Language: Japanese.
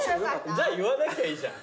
じゃあ言わなきゃいいじゃん。